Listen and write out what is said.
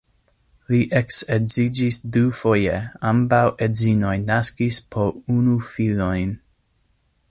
Li eksedziĝis dufoje, ambaŭ edzinoj naskis po unu filojn.